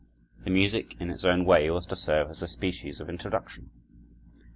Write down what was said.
The music in its own way was to serve as a species of introduction.